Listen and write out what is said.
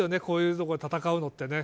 こういうところで戦うのって。